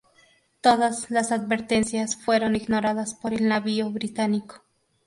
Todas las advertencias fueron ignoradas por el navío británico.